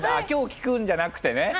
今日聞くんじゃなくてね。